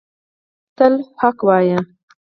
تل حق وایه